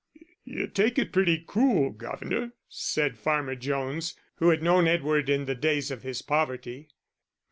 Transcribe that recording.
"You take it pretty cool, governor," said Farmer Jones, who had known Edward in the days of his poverty.